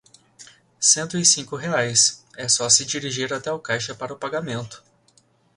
Cento e cinco reais, é só se dirigir até o caixa para pagamento.